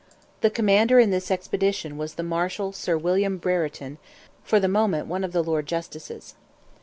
The commander in this expedition was the Marshal Sir William Brereton, for the moment one of the Lords Justices.